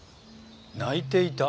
泣いていた？